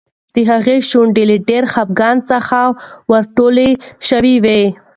د هغې شونډې له ډېر خپګان څخه ورټولې شوې وې.